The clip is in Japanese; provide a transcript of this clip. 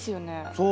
そう。